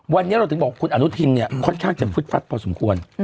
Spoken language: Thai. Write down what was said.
วันนี้เราถึงบอกคุณอนุทินเนี่ยค่อนข้างจะฟึดฟัดพอสมควร